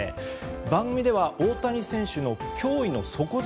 番組では大谷選手の驚異の底力。